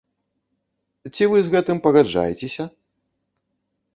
Ці вы з гэтым пагаджаецеся?